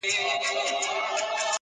خداى له هري بي بي وركړل اولادونه!!